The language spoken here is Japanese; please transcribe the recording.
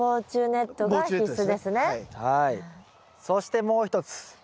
そしてもう一つ。